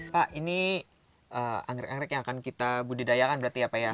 pak ini anggrek angrek yang akan kita budidayakan berarti ya pak ya